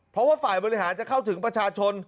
เพราะว่าฝ่ายบริหารจะเข้าถึงประชาชน